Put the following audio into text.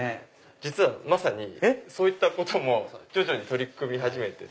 実はまさにそういったことも徐々に取り組み始めてて。